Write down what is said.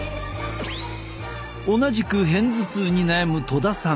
同じく片頭痛に悩む戸田さん。